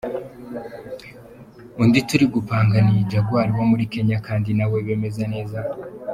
Undi turi gupanga ni Jaguar wo muri Kenya kandi na we bimeze neza.